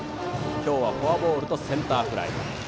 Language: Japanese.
今日はフォアボールとセンターフライ。